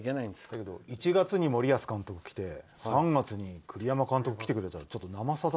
だけど１月に森保監督来て３月に栗山監督が来てくれたらちょっと「生さだ」